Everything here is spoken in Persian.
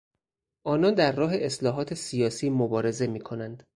آنان در راه اصلاحات سیاسی مبارزه میکنند.